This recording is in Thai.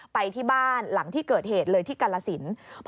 ไปที่บ้านหลังที่เกิดเหตุเลยที่กรสิน